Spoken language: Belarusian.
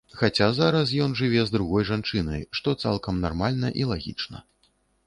Хаця зараз ён жыве з другой жанчынай, што цалкам нармальна і лагічна.